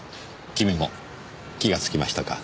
君も気がつきましたか。